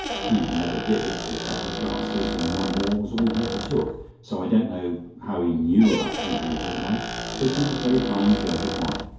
He never did, for a couple of glasses and one more was all he ever took, so I don't know how he knew about drinking it all night, but he was a very fine judge of wine.